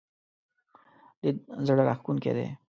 لید زړه راښکونکی دی.